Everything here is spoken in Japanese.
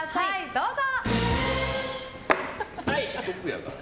どうぞ！